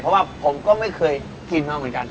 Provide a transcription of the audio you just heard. เพราะว่าผมก็ไม่เคยกินมาเหมือนกัน